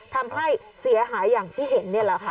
ทำให้เสียหายอย่างที่เห็นนี่แหละค่ะ